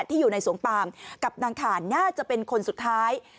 ที่อยู่ในสวนปามกับนางขานน่าจะเป็นคนสุดท้าย